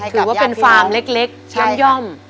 คือเป็นฟาร์มเล็กหย่ำ